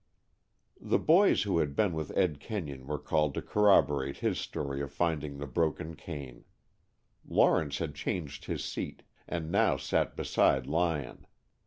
The boys who had been with Ed Kenyon were called to corroborate his story of finding the broken cane. Lawrence had changed his seat, and now sat beside Lyon.